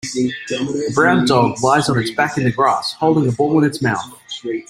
A brown dog lies on its back in the grass, holding a ball in its mouth.